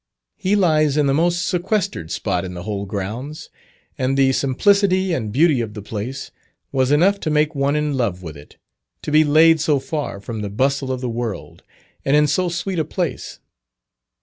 He lies in the most sequestered spot in the whole grounds, and the simplicity and beauty of the place was enough to make one in love with it, to be laid so far from the bustle of the world, and in so sweet a place.